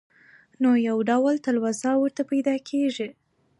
نو يو ډول تلوسه ورته پېدا کيږي.